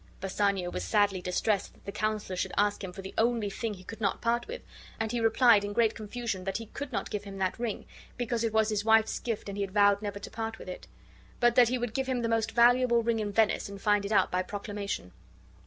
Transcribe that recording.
Bassanio was sadly distressed that the counselor should ask him for the only thing he could not part with, and he replied, in great confusion, that be could not give him that ring, because it was his wife's gift and he had vowed never to part with it; but that he would give him the most valuable ring in Venice, and find it out by proclamation.